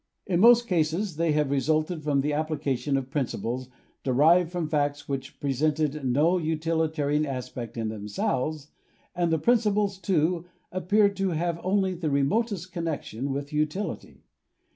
In most cases they have resulted from the application of principles derived from facts which presented no utilitarian aspect in themselves, and the prin ciples, too, appeared to have only the remotest connection with utility.